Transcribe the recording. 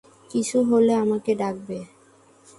কিছু হলে আমাকে ডাকবে।